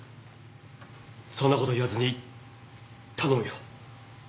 そんな事言わずに頼むよ。